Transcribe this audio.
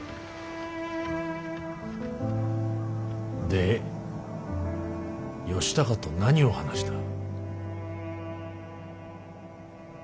で義高と何を話した。